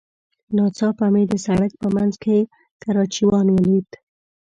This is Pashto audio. ناڅاپه مې د سړک په منځ کې کراچيوان وليد.